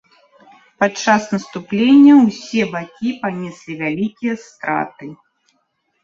Падчас наступлення ўсе бакі панеслі вялікія страты.